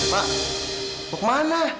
mak buk mana